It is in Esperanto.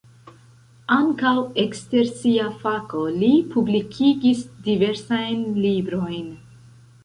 Ankaŭ ekster sia fako li publikigis diversajn librojn.